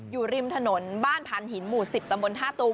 อยู่ริมถนนบ้านพานหินหมู่๑๐ตำบลท่าตูม